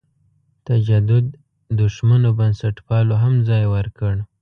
تجدد دښمنو بنسټپالو هم ځای ورکړ.